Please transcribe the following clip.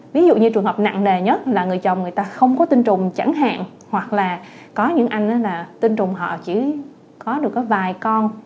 ví dụ như trường hợp nặng nề nhất là người chồng người ta không có tinh trùng chẳng hạn hoặc là có những anh tinh trùng họ chỉ có được có vài con